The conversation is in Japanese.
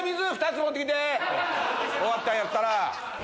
終わったんやったら。